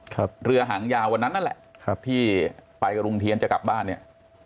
เรือหางยาววันนั้นนั่นแหละครับที่ไปกับลุงเทียนจะกลับบ้านเนี่ย